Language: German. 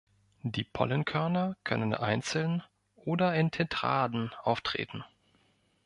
Die Pollenkörner können einzeln oder in Tetraden auftreten.